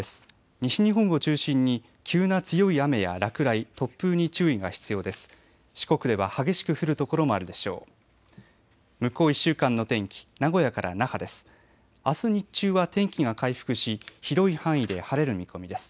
西日本を中心に急な強い雨や落雷、突風に注意が必要です。